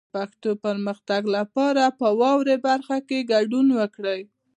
د پښتو پرمختګ لپاره په واورئ برخه کې ګډون وکړئ.